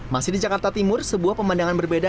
masih di jakarta timur sebuah pemandangan berbeda